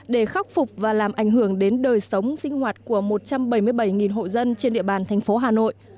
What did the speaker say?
để khắc phục và làm ảnh hưởng đến đời sống sinh hoạt của một trăm bảy mươi bảy hộ dân trên địa bàn thành phố hà nội